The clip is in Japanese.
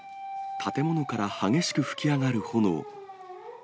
建物から激しく噴き上がる炎。